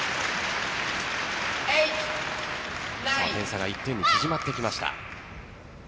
点差が１点に縮まってきました。